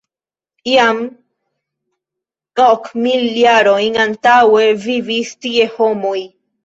Jam ok mil jarojn antaŭe vivis tie homoj.